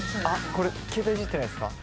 これ携帯いじってないですか？